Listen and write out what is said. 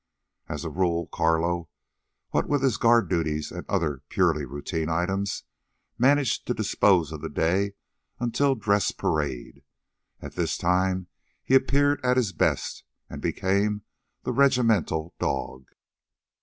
As a rule, Carlo, what with his guard duties and other purely routine items, managed to dispose of the day until dress parade. At that time he appeared at his best, and became the regimental dog.